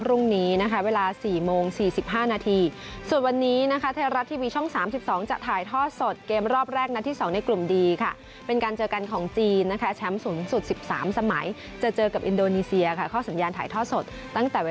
เราก็ต้องมาปรับรูปกินของเราเซตสองเซตสาม